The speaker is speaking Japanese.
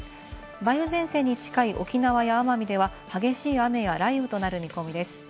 梅雨前線に近い沖縄や奄美では激しい雨や雷雨となる見込みです。